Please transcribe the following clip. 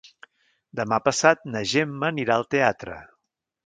Demà passat na Gemma anirà al teatre.